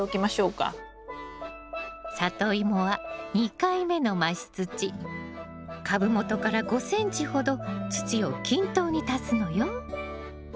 サトイモは２回目の増し土株元から５ｃｍほど土を均等に足すのよ。